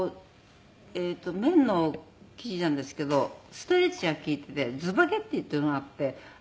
綿の生地なんですけどストレッチが利いていてズパゲッティっていうのがあって。